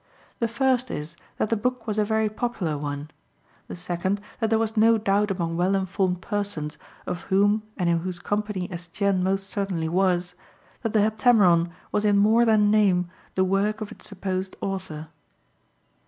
The first is that the book was a very popular one; the second, that there was no doubt among well informed persons, of whom and in whose company Estienne most certainly was, that the Heptameron was in more than name the work of its supposed author.